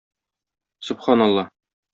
Сөбханалла!